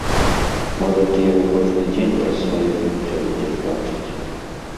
Можа ты яго кожны дзень праз сваё жыццё будзеш бачыць.